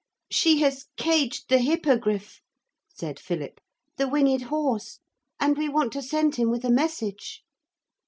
'She has caged the Hippogriff,' said Philip; 'the winged horse, and we want to send him with a message.'